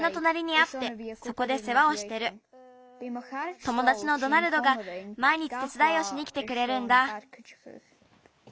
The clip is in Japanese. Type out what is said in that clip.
ともだちのドナルドがまいにちてつだいをしにきてくれるんだ。